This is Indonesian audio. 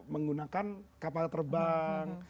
menggunakan kapal terbang